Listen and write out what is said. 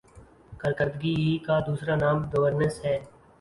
کارکردگی ہی کا دوسرا نام گورننس ہے۔